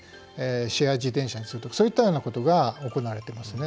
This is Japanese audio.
シェア自転車にするとかそういったようなことが行われていますね。